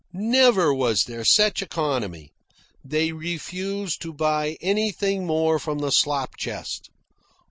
Never was there such economy. They refused to buy anything more from the slopchest.